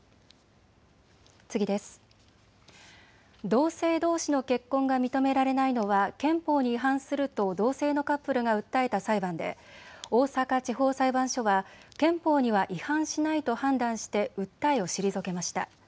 同性どうしの結婚が認められないのは憲法に違反すると同性のカップルが訴えた裁判で大阪地方裁判所は憲法には違反しないと判断して訴えを退けました。